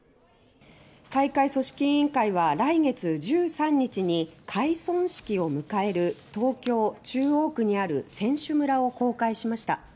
大会組織委員会は来月１３日に「開村式」を迎える東京・中央区にある選手村を公開しました。